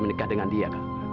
menikah dengan dia